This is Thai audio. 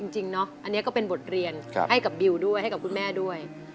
จริงเนาะอันนี้ก็เป็นบทเรียนให้กับบิวด้วยให้กับคุณแม่ด้วย